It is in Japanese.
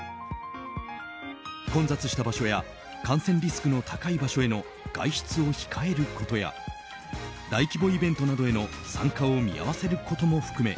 混雑した場所や感染リスクの高い場所への外出を控えることや大規模イベントなどへの参加を見合わせることも含め